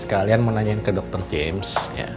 sekalian mau nanyain ke dokter james